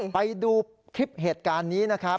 ไปดูคลิปเหตุการณ์นี้นะครับ